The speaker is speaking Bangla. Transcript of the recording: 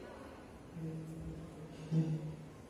যাঁরা বিদেশে পালাতে আগ্রহী, তাঁরা যে সবাই যেতে পারবেন তা নয়।